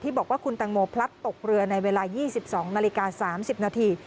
บอกว่าคุณตังโมพลัดตกเรือในเวลา๒๒นาฬิกา๓๐นาที